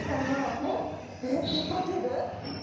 「ペッパー警部」